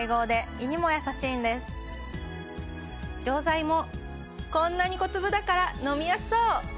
錠剤もこんなに小粒だから飲みやすそう！